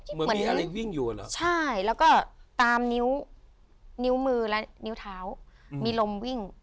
เหมือนมีอะไรวิ่งอยู่เหรอใช่แล้วก็ตามนิ้วนิ้วมือและนิ้วเท้ามีลมวิ่ง